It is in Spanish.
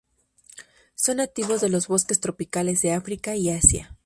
Son nativos de los bosques tropicales de África y Asia.